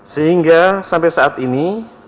sehingga sampai saat ini